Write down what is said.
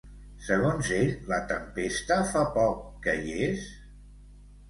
Segons ell, la tempesta fa poc que hi és?